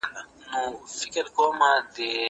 زه بايد کتابونه وړم!